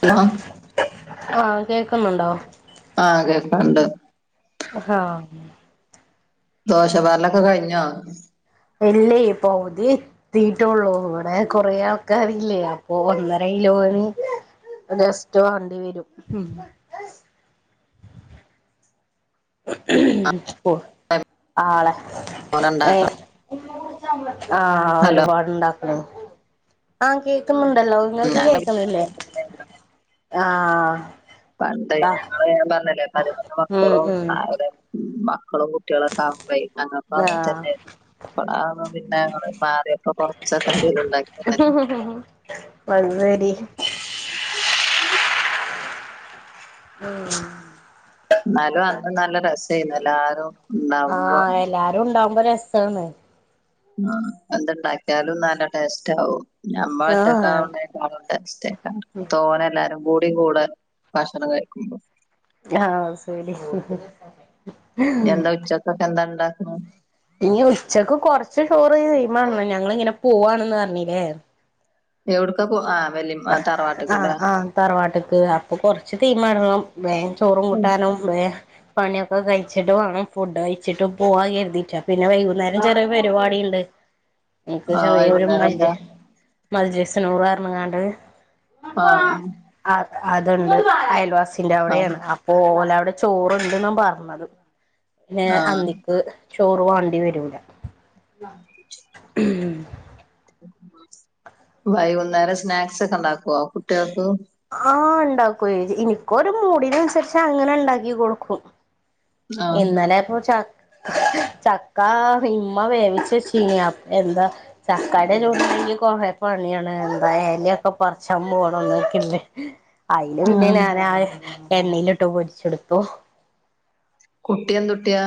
Hello ആഹ കേക്കുന്നുണ്ടോ? ആഹ കേൾക്ക്ണ്ട് ആഹ ദോശ പാരലൊക്കെ കഴിഞ്ഞോ? ഇല്ലേ പവുതി ആയി തീറ്റൊള്ളൂ ഇവിടെ കൊറെ ആൾക്കാരില്ലേ അപ്പൊ ഒന്നരകിലോന് നെസ്‌റ്റോ വാണ്ടി വരും [unintelligible] ആളെ മോനുണ്ടാക്കണം ഏഹ് ആഹ് ഹലോ ഒരുപാടുണ്ടാക്കണെ ആഹ് കേ ക്ക്ന്നുണ്ടല്ലോ ഇങ്ങക്ക് ഞങ്ങ കേക്കണില്ലേ ആഹ് പണ്ട് താ ഞങ്ങള് ഞാൻ പറഞ്ഞില്ലേ പതിനൊന്ന് ഉം മക്കളും ഉം അവടെ മക്കളും കുട് കുട്ടിയാളൊക്കെ ആവുമ്പെ ഞങ്ങക്കും ആഹ് അങ്ങൻതെന്നെയാ ഇപ്പളാണ് പിന്നെ ഞങ്ങള് മാറിയപ്പൊ കൊറച്ചൊക്കെ എന്തെലും ഇണ്ടാക്കിയെ ഹ ഹ ഹ വന്നെടി ഉം ഇന്നാലും അന്ന് നല്ല രസായിരുന്നു എല്ലാരും ഉണ്ടാവുമ്പോ ആഹ് എല്ലാരും ഇണ്ടാവുമ്പോ രസാണ് ആഹ് എന്ത് ഇണ്ടാക്കിയാലും നല്ല ടേസ്റ്റ് ആവും ആഹ് ഞമ്മളൊറ്റക്കാവുമ്മേ ഒന്നും ടേസ്റ്റില്ലാ തോനെ എല്ലാരും കൂടി കൂടെ ഭക്ഷണം കഴിക്കുമ്പോ ആഹ് [unintelligible] ഇനി എന്താ ഉച്ചക്കൊക്കെ എന്താണ്ടാക്കണ് ഇനി ഉച്ചക്ക് കൊറച്ച് ചോറ് [unintelligible] ചെയ്യുമ്പണല്ലോ ഞങ്ങള് ഇങ്ങനെ പോവാണ്ന്ന് പറഞ്ഞില്ലേ എവ്ട്ക്കാ പോ ആഹ് വെല്ലിമ്മ് ആഹ് ആഹ് തറവാട്ട്ക്ക് അപ്പൊ കൊറച്ച് തീമാടണം വേം ചോറും കൂട്ടാനും [unintelligible] പണിയൊക്കെ കഴിച്ചിട്ട് വാണം ഫുഡ് കഴിച്ചിട്ട് പോവാ കരുതീറ്റാ പിന്നെ വൈകുന്നേരം ചെറിയ പരിപാടി ഇണ്ട് ഉ ഇൻക്ക് ചെറിയ ഒരു [unintelligible] മജ്‌ലിസ്നൂറാന്ന് പർഞ്ഞ്ങ്ങാണ്ട് ആ അ അത് ഇണ്ട് അയൽവാസിന്റെ ആ അവിടെയാണ് ആഹ് അപ്പ ഓലവിടെ ചോറ്ണ്ട്ന്നാ പറഞ്ഞത് പിന്നെ ആ അന്തിക്ക് ചോറ് വാണ്ടി വരൂലാ ഉം വൈകുന്നേരം സ്നാക്സ് ഒക്കെ ഇണ്ടാക്കുവോ കുട്ടികൾക്ക് ആഹ് ഇണ്ടാക്കുവെ ഇനിക്കൊരു മൂടിനനുസരിച്ച് അങ്ങനെ ഇണ്ടാക്കി കൊടുക്കും ആ ഇന്നലെ ഇപ്പം ചക്ക് ചക്കാ ഇമ്മ വേവിച്ച് വെച്ചീനി അപ് എന്താ ചക്കാടെ [unintelligible] കൊറെ പണിയാണ് എന്തായാലും ഒക്കെ പറച്ചാൻ പോണം [unintelligible] അയില് ആ പിന്നെ ഞാനാ ആ എണ്ണേലിട്ട് പൊരിച്ചെടുത്തു കുട്ടി എന്തുട്ടിയാ?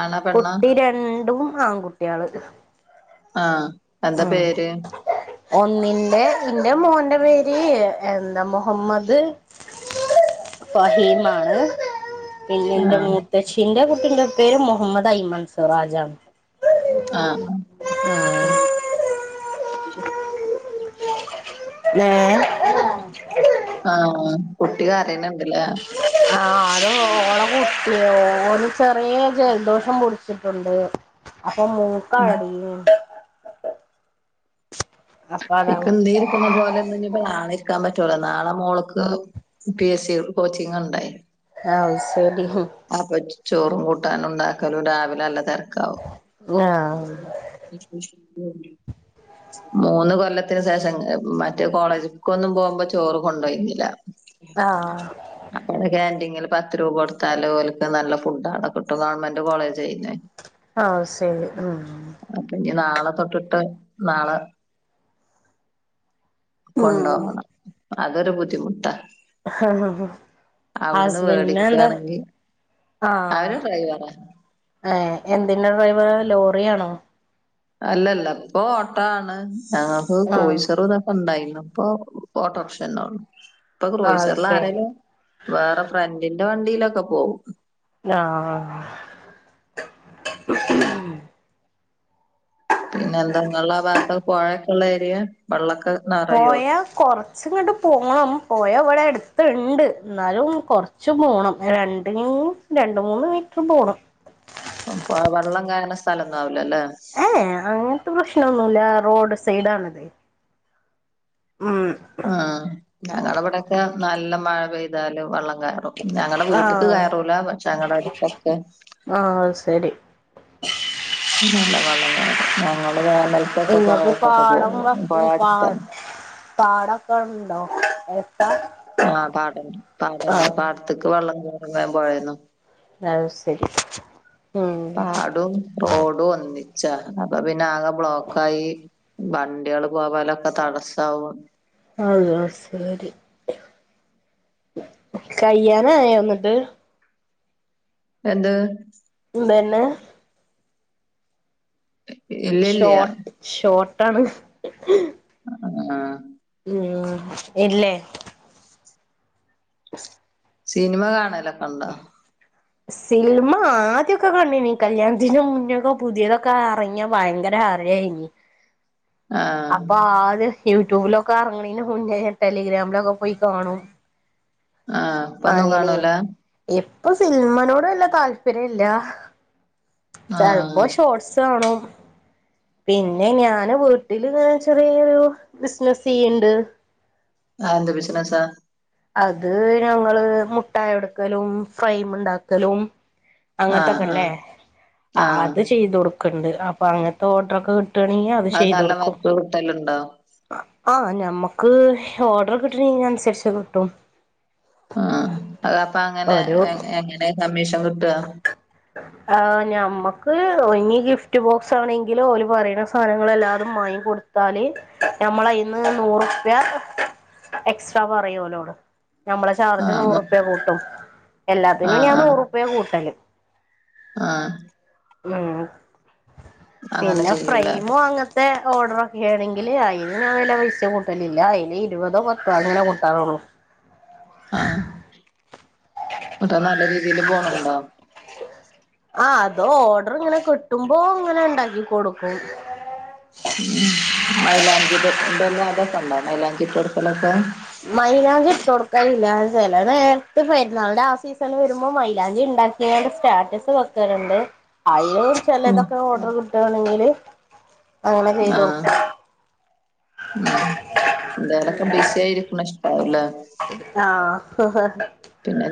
ആണാ പെണ്ണാ കുട്ടി രണ്ടും ആൺകുട്ടിയാള് ആഹ് എന്താ പേര് ഒന്നിന്റെ ഇൻ്റെ മോന്റെ പേര് എ എന്താ മൊഹമ്മദ് വഹീമാണ് പിന്നെ ആ ൻ്റെ മൂത്തച്ചിൻ്റെ കുട്ടിന്റെ പേര് മുഹമ്മദ് ഐമൻ സ്വറാജാണ് ആഹ് [unintelligible] ഏഹ് ആഹ് കുട്ടി കരേന്ന്ണ്ട്ലെ ആഹ് അത് ഓളാ കുട്ടിയോ ഓന് ചെറിയ ജലദോഷം പുടിച്ചിട്ടുണ്ട് അപ്പൊ മൂ [unintelligible] അപ്പൊ അതാണ് നിക്കുംതോര്. ക്കുന്ന പോലെന്ന ഞ്ഞിപ്പോ നാളെ ഇരിക്കാൻ പറ്റൂല. നാളെ മോള്ക്ക് പി എസ് സി കോച്ചിങ് ണ്ടേ. ആ ഹൗസ് വെഡിങ്. അപ്പൊ ചോറും കൂട്ടാനു ണ്ടാക്കലും രാവിലെ അല്ല തിരക്കാവും. ങ്ങാ. [inaudible] മൂന്ന് കൊല്ലത്തിന് ശേഷം മറ്റേ കോളേജ്ക്കൊന്നും പോകുമ്പോ ചോറ് കൊണ്ടോയിന്നില്ല. ആഹ് അവിടെ കന്റിങ്ങില് പത്ത് രൂപ കൊടുത്താല് ഓൽ ക്ക് നല്ല ഫുഡ് ആവട കിട്ടും ഗവൺമെന്റ് കോളേജ് ചെയ്യുന്ന്. ആഹ ശരി ഉം അപ്പൊ ഇനി നാളെ തൊട്ടിട്ട് നാളെ ഉം കൊണ്ടോവണം അതൊരു ബുദ്ധിമുട്ടാ. ആ അവിടുന്ന് ഹസ്ബന്റിന് എന്താ മേടിക്കാണെങ്കി ആഹ അവര് ഡ്രൈവറാ ഏ എന്തിന്റെ ഡ്രൈവർ ലോറിയാണോ? അല്ലല്ല ഇപ്പൊ ഓട്ട ആണ് ഞങ്ങക്ക് ആഹ് ക്രോയ്സർ തൊക്കെ ണ്ടായിരുന്നു. ഇപ്പൊ ഓട്ടോർഷേന്നെള്ളൂ അത് ക്രൂയിസിയർ ശരി ആരെലും. വേറെ ഫ്രണ്ടിന്റെ വണ്ടിയിലൊക്കെ പോവും. ആഹ് പിന്നെ എന്ത ഇങ്ങള്ള ഭാഗത്താ പുഴയൊക്കെള്ള ഏരിയ. വെള്ളൊക്കെ നെറയോ പോഴ കൊറച്ചങ്ങട്ട് പോണം പൊഴ ഇവിടെ എടുത്ത്ണ്ട് എന്നാലും കൊറച്ച്. ച്ചും പോണം രണ്ട് മൂ രണ്ട് മൂന്ന് മീറ്റർ പോണം. വെള്ളം കയർണ സ്ഥലംന്നും ആവൂലല്ലേ? ഏഹ അങ്ങനത്തെ പ്രശ്നംന്നുല്ല റോഡ് സൈഡ് ആണ്ത് ഉം ആ ഞങ്ങളെ ഇവിടെക്കെ നല്ല മഴ പെയ്താല് വെള്ളം കയറും. ഞങ്ങളടെ വീട്ടക്ക് ആഹ് കയറൂല പക്ഷെ ഞങ്ങളടെ അടുത്തൊക്കെ. ആഹ ശരി അല്ല വളംകയറും ഞങ്ങള് മോലൊആയ്. ഇങ്ങക് പാടം വ പാട അടുത്താണ് പാടം ഒക്കെ ഉണ്ടോ എടുത്ത. ആഹ പാടണ്ട് പാടണ്ട് പാടത്തേക്ക് വെള്ളം കോറും പോഴന്ന്. അഹ് ശരി ഉം റോഡ് ഒന്നിച്ച അപ്പൊ പിന്നെ ആകെ ബ്ലോക്ക് ആയി. വണ്ടികള് പോവലൊക്കെ തടസ്സവും. അഹ് ശെരി കയ്യാനയോ ന്നട്ട്. എന്ത് ഇതെന്നെ ഇല്ലില്ല്യ ഷോട്ട് ഷോട്ടാണ്. ആഹ് ഉം ഇല്ലേ സിനിമ കാണലൊക്കെ ണ്ടോ? സിൽമ ആദ്യൊക്കെ കണ്ടിന്. കല്യാണത്തിന്റെറെ മുന്നൊക്കെ പുതിയതൊക്കെ അറങ്ങാ ഭയങ്കര ഹ മഴയെന്ന്. [inaudible] ആഹ് അപ്പൊ ആത് യൂട്യൂബിലൊക്കെ ഇറങ്ങണീന് മുന്നേ ടെലിഗ്രാമിലൊക്കെ പോയി കാണും. ആഹ് ഇപ്പൊന്നും അങ്ങനെ കാണൂല ഇപ്പൊ സിനിമനോട് വല്ല താല്പര്യല്ല ആഹ് ചെൽപ്പോ ഷോർട്സാണും പിന്നെ ഞാന് വീട്ടില്ങ്ങനെ ചെറിയൊരു ബിസിനസെയ്യ്ണ്ട് ആ ന്ത് ബിസിനസ്സാ അത് ഞങ്ങള് മുട്ടായൊടുക്കലും ഫ്രൈം ഉണ്ടാക്കലും ആഹ് അങ്ങനത്തൊക്കെല്ലേ ആഹ് ആഹ് അത് ചെയ്ത കൊടുക്കണ്ട് അപ്പൊ അങ്ങനത്തെ ഓഡർൊക്കെ കിട്ട ട്ടണിയ അത് ചെയ്തു നല്ല കൊടുക്കും വർക്ക് കിട്ടലുണ്ടോ ആഹ് ഞമ്മുക്ക് ഓർഡർ കിട്ടണീന് അനുസരിച്ച കിട്ടും ആ അല്ല അപ്പ അങ്ങനെ ഒരു എങ്ങനെ കമ്മീഷൻ കിട്ട ആഹ് ഞമ്മക്ക് ഇനി ഗിഫ്റ്റ് ബോക്സ് ആണെങ്കിലും ഓല് പറീണ സാനങ്ങൾ എല്ലാതും മാങ്ങി കൊടു താല് നമ്മളന്ന് നൂറുപ്യ എക്സ്ട്രാ പറയൂലോട് നമ്മളെ ചാർജ് ആഹ് നൂറുപ്യ കൂട്ടും ആഹ് എല്ലാത്തിനും ഞാൻ ആഹ് നൂറുപ കൂട്ടല് ആഹ് ഉ അങ്ങനെ പിന്നെ ചെയ്യൂല്ലേ ഫ്രൈമോ അങ്ങ മേ ഓർഡർൊക്കെ ആണെങ്കിൽ അതിന് വില പൈസോ കൂട്ടലില്ല അതിൽ ഇരുപതോ പത്തോ അങ്ങനെ കൂട്ടാറുള്ളൂ ആഹ് മറ്റാ നല്ല രീതീൽ പോണിണ്ടാ ആജ് അതോ ഓർഡർ ഇങ്ങനെ കിട്ടുമ്പോ ഇങ്ങനെ ഉണ്ടാക്കി കൊടുക്കും ഉം മൈലാഞ്ചിട്ട ഇതെല്ലാം അതൊക്കെ ഉണ്ടോ മൈലാഞ്ചിട്ട എടുക്കലൊക്കെ മൈലാഞ്ചി ഇട്ട് കൊടുക്കല്ലന്ന് ചില നേരത്തെ പെര്ന്നാൾന്റെ ആ സീസണ വരുമ്പോ മൈലാഞ്ചിണ്ടാ യാണ്ട് സ്റ്റാറ്റസ് വെക്കാറുണ്ട് അയോ ഉം ചെലതൊക്കെ ഓർഡർ കിട്ടാണെങ്കിൽ അങ്ങനെ ചെയ്തൊടുക്കും ആഹ് എന്താലൊക്കെ ബിസി ആയിരിക്കും ഇഷ്ടാവല ആഹ് ആഹ്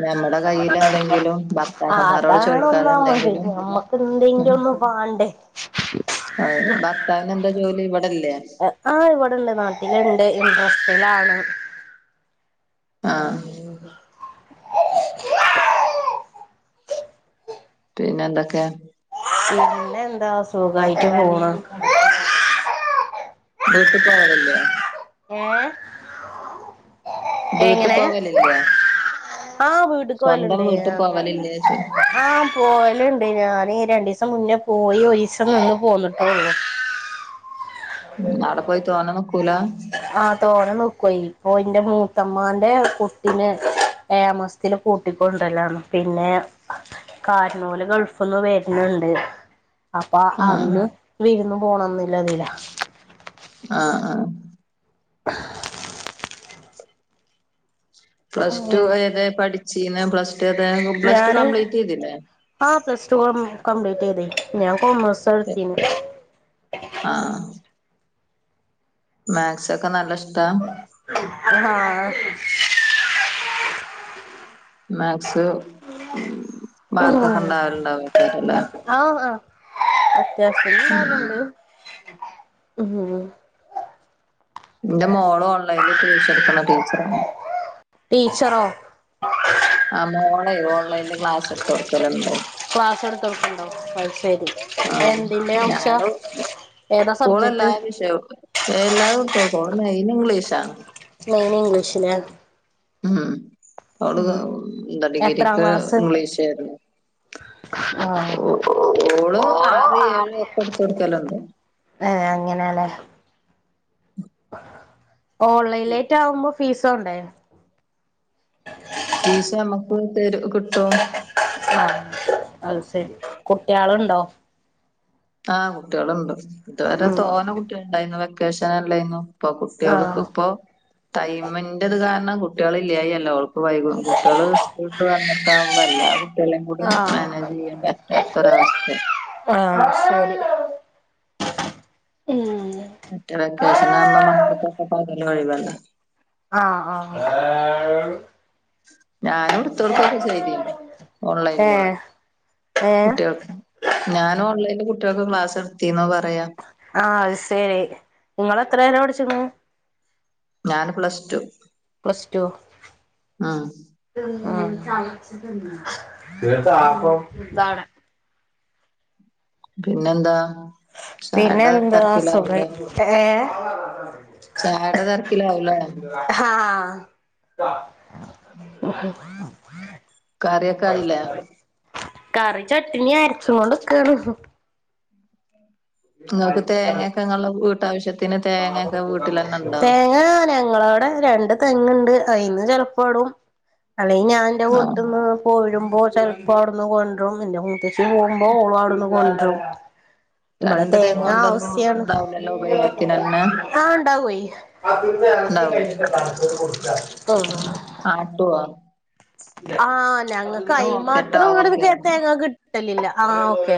ഞമ്മടെ കയ്യിൽ എന്തെങ്കിലും ഭർത്താക്കന്മാരോട് ചോദിക്കാതെ അതണൊന്നാമതി എന്തെങ്കിലും നമ്മ എന്തെന്റെ ഒന്നും വാണ്ടേ ആഹ് ഭർത്താവിനെന്താ ജോലി ഇവിടെല്ലേ ആഹ് ഇവിടെണ്ട് നാട്ടിലുണ്ട് ഇൻട്രസ്റ്റിലാണ് ആഹ് പിന്നെ എന്തൊക്കെ പിന്നെന്താ സുഖായിട്ട് പോണ് വീട്ട് പോലില്ലേ ഏഹ് വീട്ട് എങ്ങനെ പോവലില്ലേ ആഹ് സ്വന്തം വീട്ടിക്കോലിണ്ട് വീട്ട് പോവലില്ലേ ചോയ് ആഹ് പോയലിണ്ട് ഞാൻ രണ്ടീസം മുന്നേ പോയി ഒരീസം നിന്ന് പോന്നിട്ടൊള്ളു ആടെ പോയി തോന നിക്കൂല ആഹ് തോനെ നക്കുവയി ഇപ്പൊ എന്റെ മൂത്തമാന്റെ കുട്ടിന് ഏയാ മസ്ത്തിൽ കൂട്ടിക്കൊണ്ടല്ലാണ് പിന്നെ കാര്നൂല് ഗൾഫിന്ന് വര്നിണ്ട് അപ്പൊ ആഹ് അന്ന് വിരുന്നു പോണന്നില്ലതില ആഹ് ആഹ് [inaudible] പ്ലസ് ടു ഏത പഠിച്ചീന്ന് പ്ലസ് ടു ഏത പ്ലസ് ടു കംപ്ലീറ്റെയ്തില്ലേ ആഹ് പ്ലസ് ടു കംപ്ലീറ്റെയ്ത് ഞാൻ കൊമേസ ഇട്ത്തീന ആഹ് മാത്സ് ഒക്കെ നല്ല ഇഷ്ട. ആഹ [unintelligible] മാത്സ് മാർക്കൊക്കെ ഉണ്ടാവലണ്ടാവക്കാരല്ലേ. ആഹ ആഹ അത്യാവശ്യംണ്ടാനണ്ട്വലുണ്ട്. എന്റെ മോളും ഓൺലൈനിൽ ട്യൂഷൻ എടുക്കണ ടീച്ചറണ്. ടീച്ചറോ. ആ മോളെ ഓൺലൈനിൽ ക്ലാസ് എടുത്ത് കൊടുക്കലുണ്ട്. ക്ലാസ് എടുത്തടുക്കണ്ടോ അത് ശരി ആഹ് എന്തിന്റെർച്ച. ഞാനും ഏതാ ഓള് സബ്ജെക്ട്. [unintelligible] എല്ലാതും ഇടത്തൊട്ക്കും ഓളെ മെയ്ന് ഇംഗ്ലീഷാണ്. മെയ്ന് ഇംഗ്ലീഷ്ലാ. ഉം ഓള് എന്താ എത്രാം ഡിഗ്രിക്ക് ക്ലാസ് ഇംഗ്ലീഷായിരുന്നു. ആഹ് ഓള് ആറ് ഏഴ് ഒക്കെ ഇട്ത്തൊട്ക്കല്ണ്ട്. ഏ അങ്ങനെല്ലേ. ഓൺലൈലേറ്റാവുമ്പൊ ഫീസ് വാണ്ടെ. ഫീസ് ഞമ്മക്ക് തെരു കിട്ടും. ആഹ അത് സരി കുട്ടേള്ണ്ടോ. ആഹ് കുട്ടേള്ണ്ട് ഇത് വരെ ഉം തോനെ കുട്ടേള്ണ്ടായിന്നു വെക്കേഷനല്ലേയ്ന്നോ. ഇപ്പൊ കുട്ടേള്ക്ക് ആഹ് ഇപ്പം ടൈമിൻ്റത് കാരണം കുട്ടേള് ഇല്ലായി അല്ല ഓള്‌പ്പം. പ്പം വൈകും കുട്ടേൾ സ്കൂള് വിട്ട് വന്നിട്ടാകുമ്പോ എല്ലാ കുട്ടേളിം കൂടിം ആഹ് മാനേജ് ചെയ്യണ്ടേ. വല്ലാത്തൊരവസ്ഥെ. ആഹ ശരി. ഏ. മറ്റെ വെക്കേഷനാവുമ്പം മക്കക്കൊക്കെ പകല് ഒഴിവല്ലെ. ആഹ ആഹ. ഞാനും ഇട്ത്തൊട്ക്കൊക്കെ ചെയ്തീനി ഓൺലൈൻ ലെ. ഏഹ് ഏഹ് കുട്ടേൾക്ക് ഞാന് ഓൺലൈല് കുട്ടേൾക്ക് ക്ലാസ് ഇട്ത്തീന്നു പറയാ. ആഹ അത് സെരി ഇങ്ങള് എത്ര വരെ പഠിച്ച്ക്ക്ണു. ഞാന് പ്ലസ് ടു. പ്ലസ്സ്റ്റോ. ആഹ. ആഹ. പിന്നെന്താ. ചായയുടെ പിന്നെന്താ തിരക്കിലാവൂലേ സുഖായിരിക്കുന്നു ഏ. ചായടെ തെരക്കിലാവുംലേ. ഹ്‌ഹാ ഉം ഉം. കറിയൊക്കെ ആയില്ലേ കറി ചട്ടിനി അരച്ച് കോണ്ട്ക്കാണ്. ഇങ്ങക്ക് തേങ്ങ്യൊക്കെ ഇങ്ങളെ വീട്ടാവശ്യ. തേങ്ങാ ന. ഞങ്ങളാടെ രണ്ട് തെങ്ങ്ണ്ട് അയ്ന്ന് ചെലപ്പൊടും അല്ലെങ്കി ഞാൻ ഇന്റെ ആ വീട്ട്ന്ന്. പോരുമ്പോ ചെലപ്പം അവുട്ന്ന് കൊണ്ടരും പിന്നെ മൂത്തച്ചി പോകുമ്പോ ഓളും അവുട്ന്ന് കൊണ്ടരും. ഇവടെ രണ്ട് തെങ്ങ് തേങ്ങാ കൊണ്ടൊന്നും ആവുസ്യാണ്. ഉണ്ടാവില്ലല്ലോ ഉപയോഗത്തിന് തന്നെ ആഹ ഇണ്ടാവെയ് ആഹ. ഉണ്ടാവോ ആട്ടുവാ. ആഹ് ഞങ്ങക്ക് അയ്ന് ഓക്കെ ട്ടോ മാത്രം ഓക്കെ ങ്ങട്ട് ഓക്കെ തേങ്ങ കിട്ടലില്ല ആഹ് ഓക്കെ